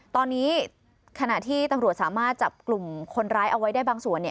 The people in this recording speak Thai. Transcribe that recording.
ตอนนี้ขณะที่ตำรวจสามารถจับกลุ่มคนร้ายเอาไว้ได้บางส่วนเนี่ย